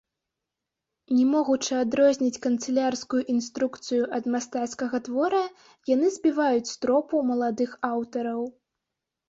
Не могучы адрозніць канцылярскую інструкцыю ад мастацкага твора, яны збіваюць з тропу маладых аўтараў.